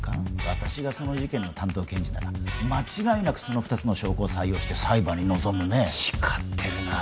私がその事件の担当検事なら間違いなくその２つの証拠を採用して裁判に臨むね光ってるなあ